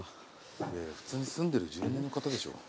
普通に住んでる住人の方でしょ。